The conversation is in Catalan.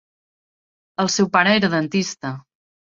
El seu pare era dentista.